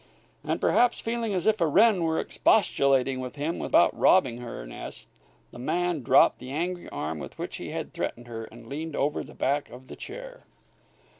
And perhaps feeling as if a wren were expostulating with him about robbing her nest, the man dropped the angry arm with which he had threatened her, and leaned over the back of the chair.